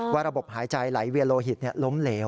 ระบบหายใจไหลเวียนโลหิตล้มเหลว